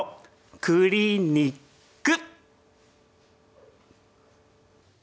クリニック！